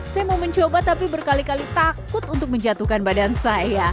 saya mau mencoba tapi berkali kali takut untuk menjatuhkan badan saya